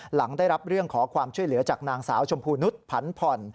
หลังได้รับเรื่องขอความช่วยเหลือจากนางสาวชมพูนุษย์ผันผ่อน